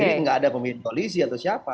ini nggak ada pemimpin koalisi atau siapa